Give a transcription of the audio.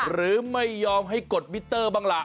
หรือไม่ยอมให้กดมิเตอร์บ้างล่ะ